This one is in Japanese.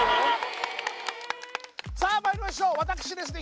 さあまいりましょう私ですね